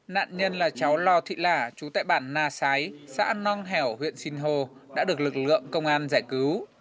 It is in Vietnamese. nạn nhân là cháu lò thị lả chú tại bản na sái xã nong hẻo huyện sinh hồ đã được lực lượng công an giải cứu